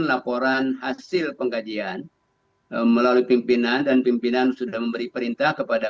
laporan hasil pengkajian melalui pimpinan dan pimpinan sudah memberi perintah kepada